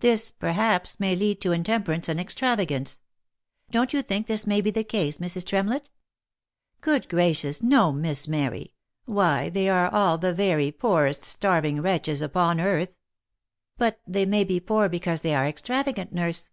This, perhaps, may lead to intemperance and extravagance. Don't vou think this may be the case, Mrs. Tremlett V " Good gracious, no, Miss Mary ! Why they are all the very poorest starving wretches upon earth." " But they may be poor because they are extravagant, nurse.